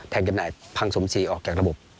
จำหน่ายพังสมทรีย์ออกจากระบบ